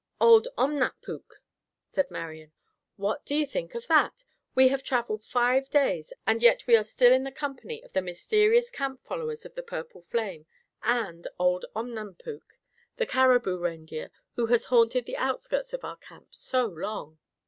"Old Omnap puk!" said Marian. "What do you think of that? We have traveled five days, and yet we are still in the company of the mysterious camp followers of the purple flame and old Omnap puk, the caribou reindeer who has haunted the outskirts of our camp so long.